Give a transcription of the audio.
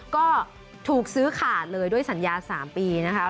ก็ถูกซื้อขาดเลยด้วยสัญญา๓ปีนะคะ